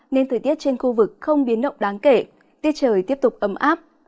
nên thời tiết trên khu vực không biến động đáng kể tiết trời tiếp tục ấm áp